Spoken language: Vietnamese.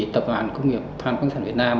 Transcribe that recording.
tập đoàn công nghiệp than khoáng sản việt nam